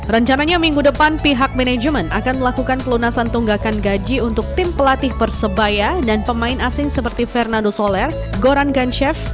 rencananya minggu depan pihak manajemen akan melakukan pelunasan tunggakan gaji untuk tim pelatih persebaya dan pemain asing seperti fernando soler goran gancev